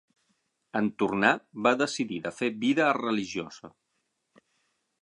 En tornar, va decidir de fer vida religiosa.